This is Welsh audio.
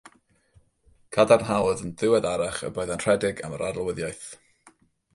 Cadarnhaodd yn ddiweddarach y byddai'n rhedeg am yr arlywyddiaeth.